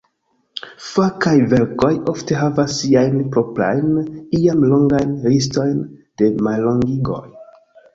Fakaj verkoj ofte havas siajn proprajn, iam longajn, listojn de mallongigoj.